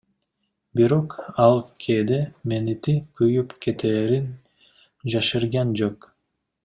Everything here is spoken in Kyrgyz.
Бирок, ал кээде мээнети күйүп кетээрин жашырган жок.